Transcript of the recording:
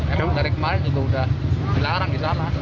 iya dari kemarin itu udah dilarang di sana